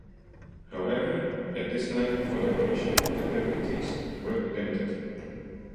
However, at this time, collaboration capabilities were limited.